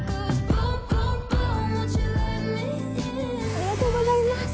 ありがとうございます。